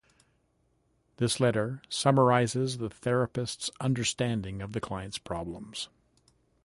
This letter summarises the therapist's understanding of the client's problems.